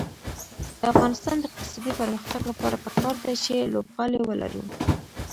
د افغانستان د اقتصادي پرمختګ لپاره پکار ده چې لوبغالي ولرو.